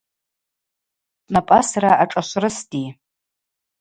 Швнапӏасра ашӏашврысди.